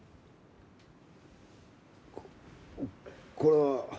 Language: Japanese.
ここれは。